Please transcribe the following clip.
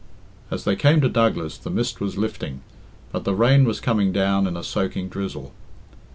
As they came to Douglas the mist was lifting, but the rain was coming down in a soaking drizzle.